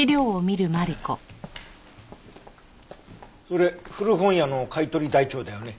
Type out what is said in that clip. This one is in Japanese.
それ古本屋の買い取り台帳だよね。